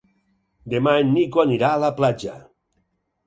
Demà en Nico anirà a la platja.